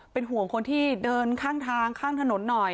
เป็นห่วงคนที่เดินข้างทางข้างถนนหน่อย